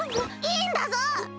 いいんだぞ！